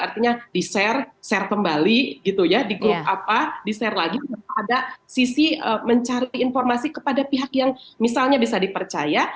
artinya di share share kembali di share lagi ada sisi mencari informasi kepada pihak yang misalnya bisa dipercaya